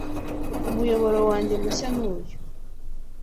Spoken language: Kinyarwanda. umuyoboro wanjye mushya ni uyu